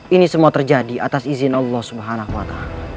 ini semua terjadi atas izin allah swt